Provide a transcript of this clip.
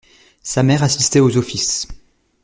Sa mère assistait aux offices.